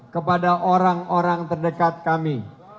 kepada orang orang terdekat kami